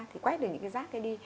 thì quét được những cái rác ấy đi